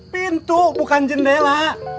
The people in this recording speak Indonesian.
pintu bukan jendela